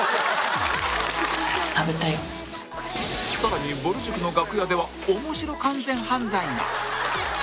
さらにぼる塾の楽屋ではオモシロ完全犯罪が